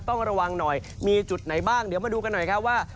ต้องระวังหน่อยมีจุดไหนบ้างเดี๋ยวมาดูกันหน่อยครับว่า